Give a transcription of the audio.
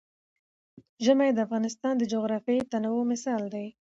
ژمی د افغانستان د جغرافیوي تنوع مثال دی.